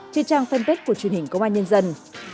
trên trang fanpage của truyền hình công an nhân dân